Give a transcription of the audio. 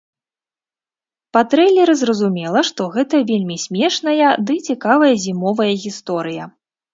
Па трэйлеры зразумела, што гэта вельмі смешная ды цікавая зімовая гісторыя.